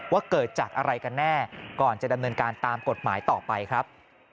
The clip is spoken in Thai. ว่าเกิดจากอะไรกันแน่ก่อนจะดำเนินการตามกฎหมายต่อไปครับ